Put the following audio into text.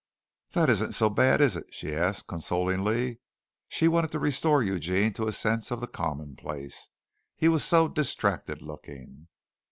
"That isn't so bad, is it?" she asked consolingly. She wanted to restore Eugene to a sense of the commonplace. He was so distracted looking.